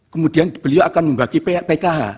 kemudian beliau akan membagi pkh